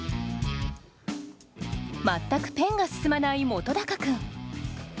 全くペンが進まない本君。